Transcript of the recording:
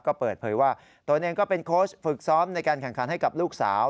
ก็เปิดเผยว่าตัวเองก็เป็นโค้ชฝึกซ้อมในการแข่งขันให้กับลูกสาว